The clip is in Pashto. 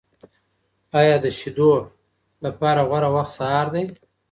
آیا د شیدو لپاره غوره وخت سهار دی؟